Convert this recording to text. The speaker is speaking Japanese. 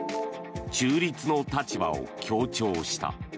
中立の立場を強調した。